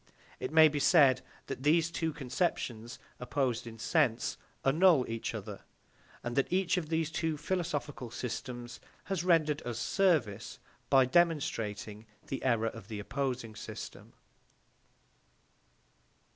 It may be said that these two conceptions, opposed in sense, annul each other, and that each of these two philosophical systems has rendered us service by demonstrating the error of the opposing system.